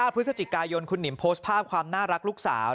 พฤศจิกายนคุณหิมโพสต์ภาพความน่ารักลูกสาว